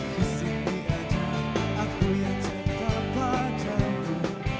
disini ada aku yang cinta padamu